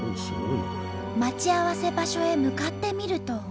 待ち合わせ場所へ向かってみると。